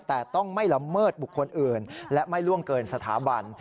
แต่ต้องไม่ละเมิดบุคคลอื่นและไม่ล่วงเกินสถาบัน